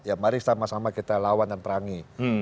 ya mari sama sama kita lawan dan perangi